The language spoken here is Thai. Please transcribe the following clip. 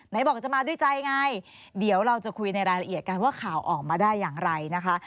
ไหนบอกจะมาด้วยใจไงเดี๋ยวเราจะคุยในรายละเอียดกันว่าข่าวออกมาได้อย่างไรนะคะ